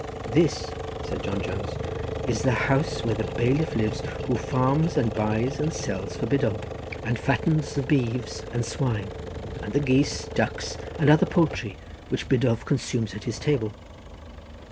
"This," said John Jones, "is the house where the bailiff lives, who farms and buys and sells for Biddulph, and fattens the beeves and swine, and the geese, ducks, and other poultry which Biddulph consumes at his table."